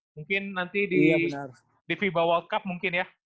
mungkin nanti di fiba world cup mungkin ya